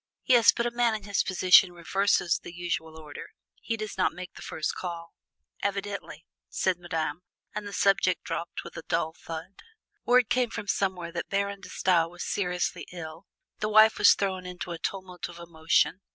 "Yes, but a man in his position reverses the usual order: he does not make the first call!" "Evidently!" said Madame, and the subject dropped with a dull thud. Word came from somewhere that Baron De Stael was seriously ill. The wife was thrown into a tumult of emotion.